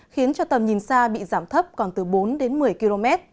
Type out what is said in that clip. khiến cho tầm nhìn xa bị giảm thấp còn từ bốn đến một mươi km